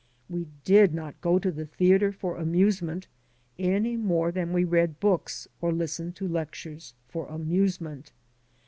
We did not go to the theater for amusement any more than we read books or listened to lectures for amusement.